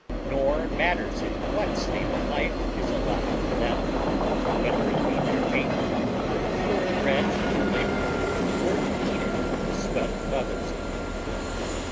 Nor matters it what state of life is allotted for them, whether it be their fate to procure bread with their labour, or to eat it at the sweat of others.